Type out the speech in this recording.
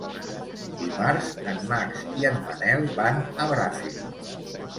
Dimarts en Max i en Manel van a Bràfim.